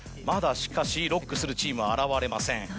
まだしかしロックするチームは現れません。